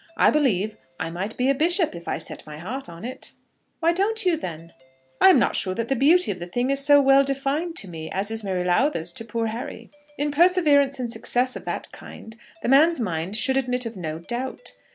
I believe I might be a bishop if I set my heart on it." "Why don't you, then?" "I am not sure that the beauty of the thing is so well defined to me as is Mary Lowther's to poor Harry. In perseverance and success of that kind the man's mind should admit of no doubt.